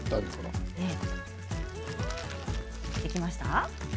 できました？